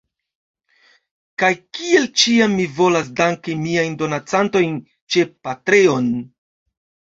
Kaj kiel ĉiam mi volas danki miajn donancantojn ĉe Patreon.